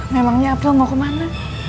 memangnya belum mau kemana